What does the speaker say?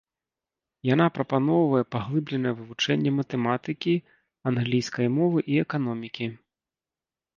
Яна прапаноўвае паглыбленае вывучэнне матэматыкі, англійскай мовы і эканомікі.